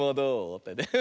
ってね。